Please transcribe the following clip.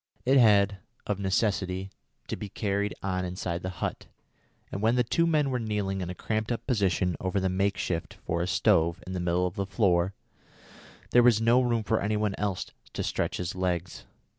It had, of necessity, to be carried on inside the hut, and when the two men were kneeling in a cramped up position over the make shift for a stove in the middle of the floor, there was no room for any one else to stretch his legs.